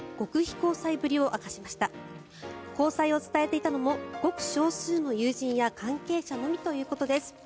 交際を伝えていたのもごく少数の友人や関係者のみということです。